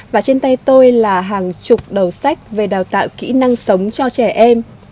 và trên tay tôi là hàng chục đầu sách về đào tạo kỹ năng sống cho trẻ em